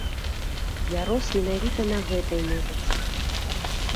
Я рос менавіта на гэтай музыцы.